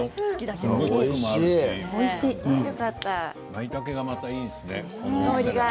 まいたけがまたいいですね。